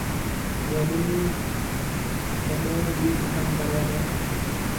اوئي ڏِن تڏو ڀِي ختم ڪريَ ھيََََ